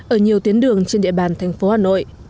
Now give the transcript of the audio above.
ở nhiều tuyến đường trên địa bàn thành phố hà nội